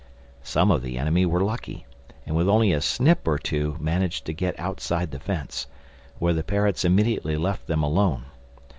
Some of the enemy were lucky; and with only a snip or two managed to get outside the fence—where the parrots immediately left them alone.